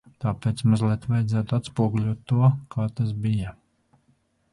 Tāpēc mazliet vajadzētu atspoguļot to, kā tas bija.